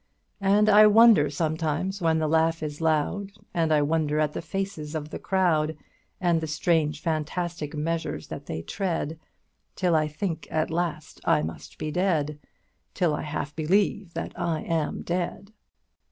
And I wonder sometimes when the laugh is loud, And I wonder at the faces of the crowd, And the strange fantastic measures that they tread, Till I think at last I must be dead Till I half believe that I am dead.'